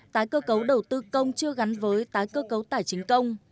tái cơ cấu đầu tư công chưa gắn với tái cơ cấu tài chính công